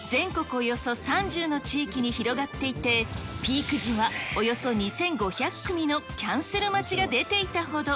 およそ３０の地域に広がっていて、ピーク時はおよそ２５００組のキャンセル待ちが出ていたほど。